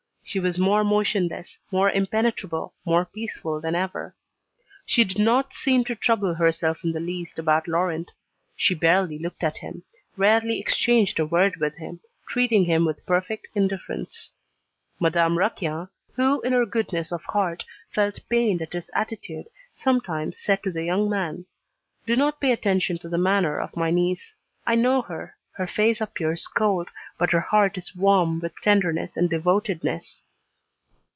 She was more motionless, more impenetrable, more peaceful than ever. She did not seem to trouble herself in the least about Laurent. She barely looked at him, rarely exchanged a word with him, treating him with perfect indifference. Madame Raquin, who in her goodness of heart, felt pained at this attitude, sometimes said to the young man: "Do not pay attention to the manner of my niece, I know her; her face appears cold, but her heart is warm with tenderness and devotedness."